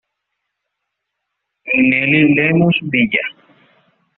Nelly Lemus Villa.